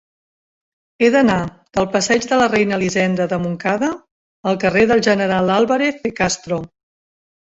He d'anar del passeig de la Reina Elisenda de Montcada al carrer del General Álvarez de Castro.